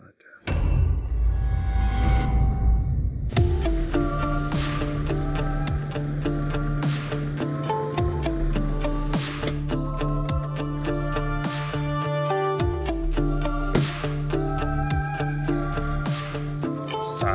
pilihan dari netanya